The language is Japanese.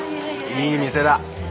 いい店だ。